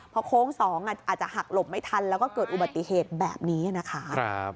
พอโค้ง๒อาจจะหักหลบไม่ทันแล้วก็เกิดอุบัติเหตุแบบนี้นะคะ